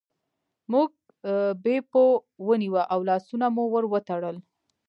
موږ بیپو ونیوه او لاسونه مو ور وتړل.